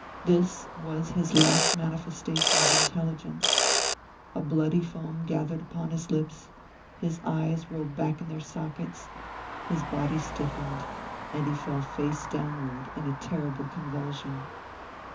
This was his last manifestation of intelligence. A bloody foam gathered upon his lips, his eyes rolled back in their sockets, his body stiffened, and he fell face downward in a terrible convulsion.